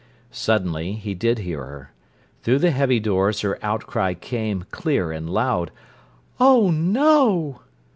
Suddenly he did hear her. Through the heavy doors her outcry came, clear and loud: "Oh, no!"